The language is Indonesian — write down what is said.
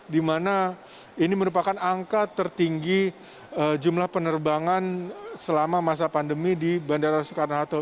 di mana ini merupakan angka tertinggi jumlah penerbangan selama masa pandemi di bandara soekarno hatta